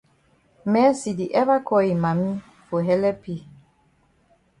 Mercy di ever call yi mami for helep yi.